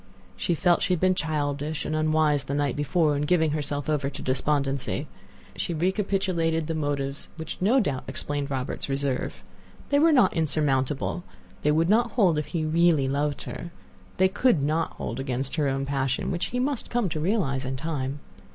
She felt she had been childish and unwise the night before in giving herself over to despondency. She recapitulated the motives which no doubt explained Robert's reserve. They were not insurmountable; they would not hold if he really loved her; they could not hold against her own passion, which he must come to realize in time.